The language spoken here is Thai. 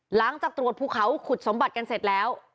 หลังจากตรวจภูเขาขุดสมบัติกันเสร็จแล้ว